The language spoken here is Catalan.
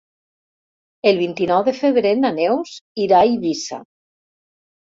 El vint-i-nou de febrer na Neus irà a Eivissa.